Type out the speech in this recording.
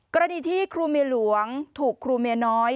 กรณีที่ครูเมียหลวงถูกครูเมียน้อย